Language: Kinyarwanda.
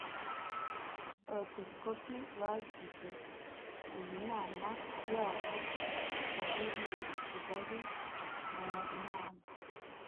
abepiskopi bagize “y’inama yabo bahuriye i kigali munama